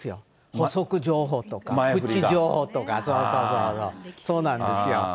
補足情報とか、プチ情報とか、そうそう、そうなんですよ。